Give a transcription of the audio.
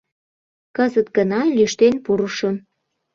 Кызыт гына лӱштен пурышым.